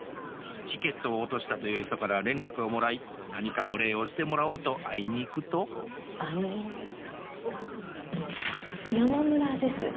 チケットを落としたという人から連絡をもらい何かお礼をしてもらおうと会いに行くとあの山村です。